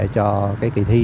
cho cái kỳ thi